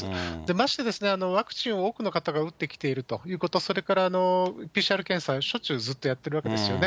まして、ワクチンを多くの方が打ってきているということ、それからＰＣＲ検査、しょっちゅうずっとやってるわけですよね。